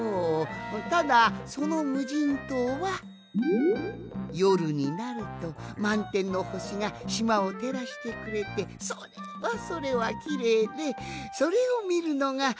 ただそのむじんとうはよるになるとまんてんのほしがしまをてらしてくれてそれはそれはきれいでそれをみるのがたのしみなんじゃが。